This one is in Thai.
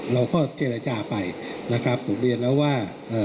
เราก็เจรจาไปนะครับบุคเบียนแล้วว่า